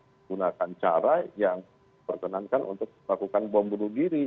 menggunakan cara yang diperkenankan untuk melakukan bom bunuh diri